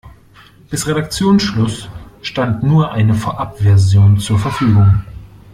Bis Redaktionsschluss stand nur eine Vorabversion zur Verfügung.